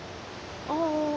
ああ。